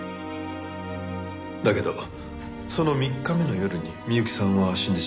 だけどその３日目の夜に美由紀さんは死んでしまった。